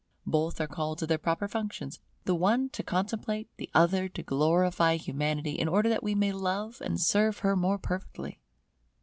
Both are called to their proper functions, the one to contemplate, the other to glorify Humanity, in order that we may love and serve her more perfectly.